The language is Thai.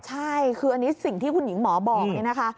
ใช่คืออันนี้สิ่งที่คุณหญิงหมอบอกนี่นะคะ